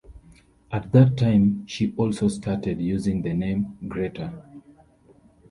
At that time she also started using the name Gretta.